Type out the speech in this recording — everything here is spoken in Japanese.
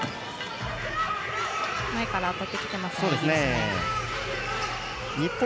前から当たってきてますね。